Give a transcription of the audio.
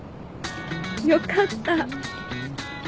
よかった。